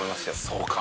そうか。